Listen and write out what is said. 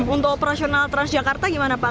untuk operasional transjakarta gimana pak